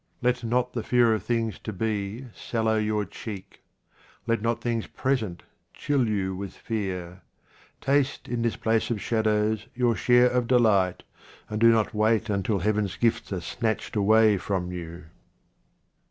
Let not the fear of things to be sallow your cheek. Let not things present chill you with fear. Taste in this place of shadows your share of delight, and do not wait until Heaven's gifts are snatched away from you.